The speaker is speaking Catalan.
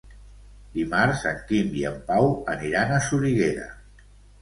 Dimarts en Quim i en Pau aniran a Soriguera.